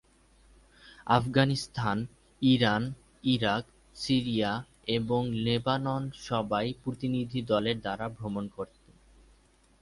Afghanistan, Iran, Iraq, Syria এবং Lebanon সবাই প্রতিনিধিদলের দ্বারা ভ্রমণ করেন।